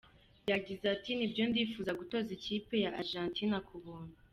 Yagize ati “Nibyo ndifuza gutoza ikipe ya Argentina ku buntu.